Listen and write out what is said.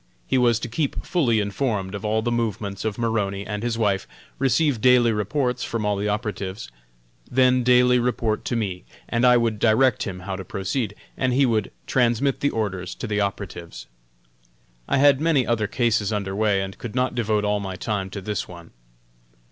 He was to keep fully informed of all the movements of Maroney and his wife, receive daily reports from all the operatives, then daily report to me, and I would direct him how to proceed, and he would transmit the orders to the operatives. I had many other cases under way, and could not devote all my time to this one.